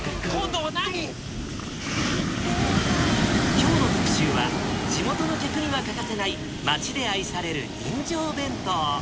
きょうの特集は、地元の客には欠かせない、町で愛される人情弁当。